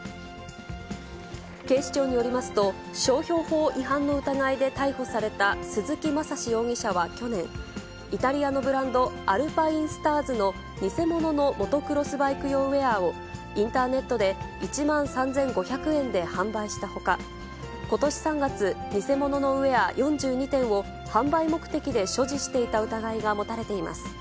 警視庁によりますと、商標法違反の疑いで逮捕された鈴木まさし容疑者は去年、イタリアのブランド、アルパインスターズの偽物のモトクロスバイク用ウエアを、インターネットで１万３５００円で販売したほか、ことし３月、偽物のウエア４２点を販売目的で所持していた疑いが持たれています。